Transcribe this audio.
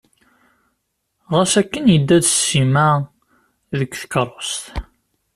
Ɣas akken yedda d Sima deg tkerrust.